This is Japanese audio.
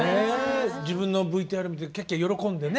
自分のＶＴＲ見てキャッキャ喜んでね。